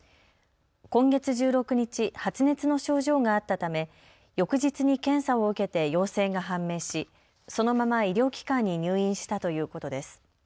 今月１６日、発熱の症状があったため翌日に検査を受けて陽性が判明しそのまま医療機関に入院したということです。